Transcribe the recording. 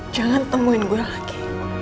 jangan temuin gue lagi